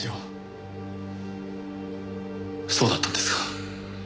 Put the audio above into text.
そうだったんですか。